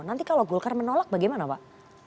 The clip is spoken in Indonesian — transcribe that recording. nanti kalau golkar menolak bagaimana pak